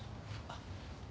あっ。